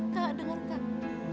kak denger kak